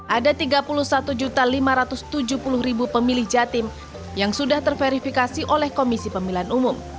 ada tiga puluh satu lima ratus tujuh puluh pemilih jatim yang sudah terverifikasi oleh komisi pemilihan umum